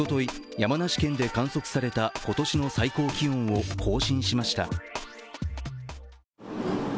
山梨県で観測された今年の最高気温を更新しました。